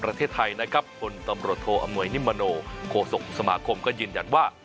การกีฬาแห่งประเทศไทยนะครับคุณตำรวจโทรอำนวยนิมโมโนโคสกสมาคมก็ยืนยันว่า